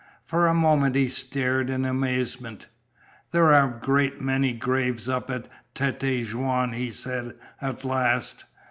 For a moment he stared in amazement. "There are a great many graves up at Tête Jaune," he said, at last.